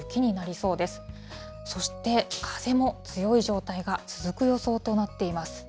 そして、風も強い状態が続く予想となっています。